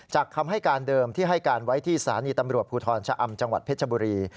คำให้การเดิมที่ให้การไว้ที่สถานีตำรวจภูทรชะอำจังหวัดเพชรบุรี